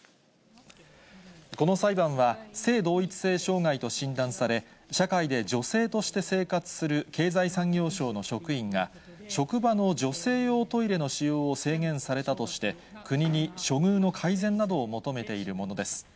この裁判は、性同一性障害と診断され、社会で女性として生活する経済産業省の職員が、職場の女性用トイレの使用を制限されたとして、国に処遇の改善などを求めているものです。